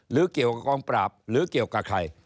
หรือเกี่ยวกับกองปราบหรือเกี่ยวกับใคร